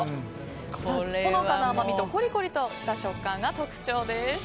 ほのかな甘みとコリコリとした食感が特徴です。